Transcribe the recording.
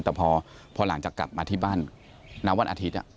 แต่พอหลังจากกลับมาที่บ้านณวันอาทิตย์